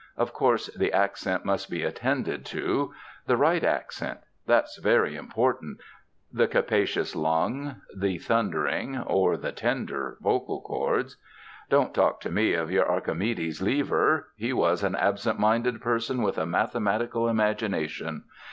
Of course, the accent must be attended to. The right accent. That's very important. The capacious lung, the thundering or the tender vocal chords. Don't talk to me of your Archimedes' lever. He was an absent minded person with a mathematical imagination.